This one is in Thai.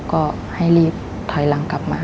ก็ให้รีบถอยหลังกลับมา